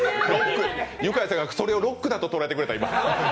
ユカイさんがそれをロックだと捉えてくれた。